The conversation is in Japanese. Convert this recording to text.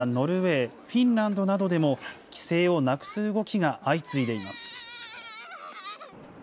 スウェーデンやノルウェー、フィンランドなどでも規制をなくす動きが相次いでいます。